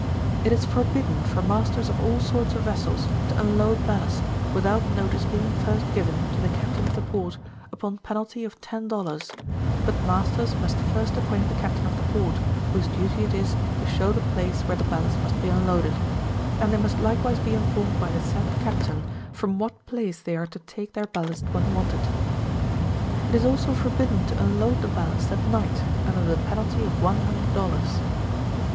It is forbidden for masters of all sorts of vessels to unload ballast, without notice being first given to the captain of the port, upon penalty of 10 dollars; but masters must first acquaint the captain of the port, whose duty it is to show the place where the ballast must be unloaded; and they must likewise be informed by the said captain from what place they are to take their ballast when wanted. It is also forbidden to unload the ballast at night, undeSr the penalty of 100 dollars.